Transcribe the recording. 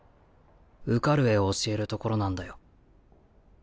受かる絵を教える所なんだよ。